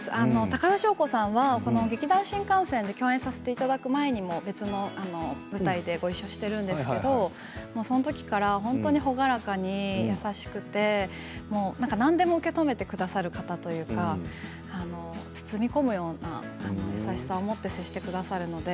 高田聖子さんは劇団☆新感線で共演させていただく前にも別の舞台でごいっしょしているんですけどそのときから朗らかに優しくて何でも受け止めてくださる方というか包み込むような優しさを持って接してくださるので。